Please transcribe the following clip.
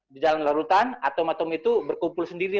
di jalan larutan atom atom itu berkumpul sendiri